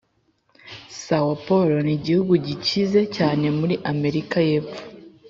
são paulo nigihugu gikize cyane muri amerika yepfo.